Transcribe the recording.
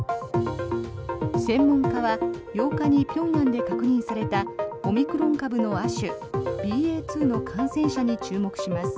専門家は８日に平壌で確認されたオミクロン株の亜種、ＢＡ．２の感染者に注目します。